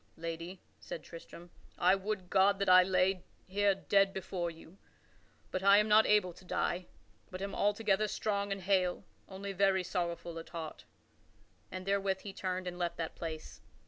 "Lady," said Tristram, "I would God that I lay here dead before you. But I am not able to die, but am altogether strong and hale only very sorrowful at heart." And therewith he turned and left that place.